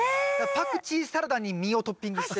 パクチーサラダに実をトッピングして。